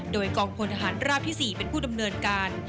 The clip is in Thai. โดยกองพลทหารราบที่๔เป็นผู้ดำเนินการ